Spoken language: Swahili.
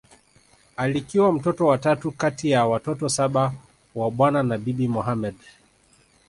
Alikiwa mtoto wa tatu kati ya watoto saba wa Bwana na Bibi Mohamed